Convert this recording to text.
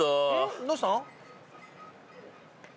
どうした？